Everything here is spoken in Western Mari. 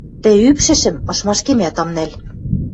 Тӹ ӱпшӹшӹм ышмашкемӓт ам нӓл...